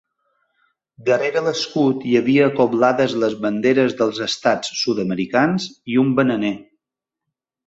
Darrere l'escut hi havia acoblades les banderes dels estats sud-americans i un bananer.